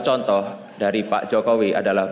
contoh dari pak jokowi adalah